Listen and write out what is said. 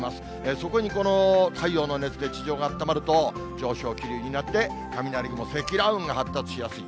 そこに、この太陽の熱で地上があったまると、上昇気流になって、雷雲、積乱雲が発達しやすい。